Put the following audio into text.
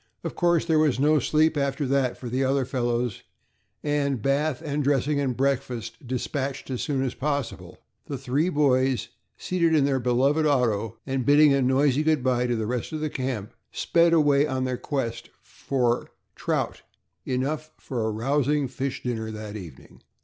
Of course, there was no sleep after that for the other fellows, and, bath and dressing and breakfast dispatched as soon as possible, the three boys, seated in their beloved auto, and bidding a noisy good by to the rest of the camp, sped away on their quest for trout enough for a rousing fish dinner that evening.